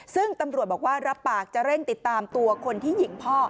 ซึ่งตำรวจบอกว่ารับปากจะเร่งติดตามตัวคนที่ยิงพ่อ